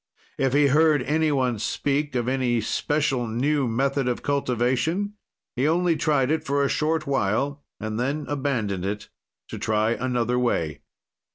"If he heard any one speak of any special new method of cultivation, he only tried it for a short while, and then abandoned it, to try another way.